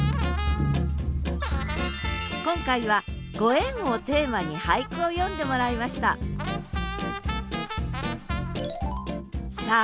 今回は「ご縁」をテーマに俳句を詠んでもらいましたさあ